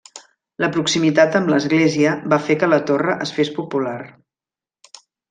La proximitat amb l'església va fer que la torre es fes popular.